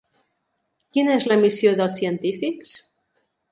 Quina és la missió dels científics?